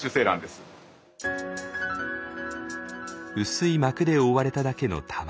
薄い膜で覆われただけの卵。